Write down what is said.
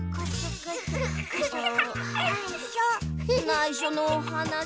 ないしょのおはなし。